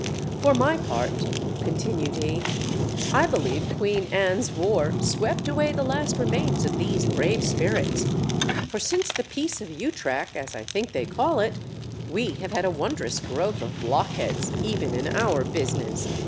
For my part_, continued he, _I believe Queen Anne's war swept away the last remains of these brave spirits; for since the Peace of Utrac (as I think they call it) we have had a wondrous growth of blockheads, even in our business.